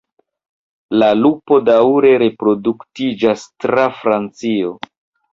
La lupo daŭre reproduktiĝas tra Francio.